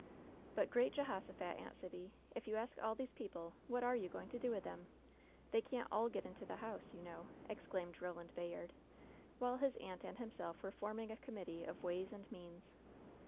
'' "But, great Jehosophat, Aunt Sibby, if you ask all these people, what are you going to do with them ? They can't all get into the house, you know t" exclaimed Ro land Bayard, while his aunt and himself were forming a committee of ways and means.